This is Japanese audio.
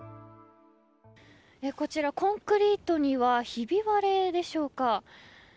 こちら、コンクリートにはひび割れでしょうか。